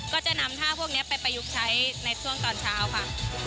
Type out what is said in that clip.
ก็จะนำท่าพวกนี้ไปประยุกต์ใช้ในช่วงตอนเช้าค่ะ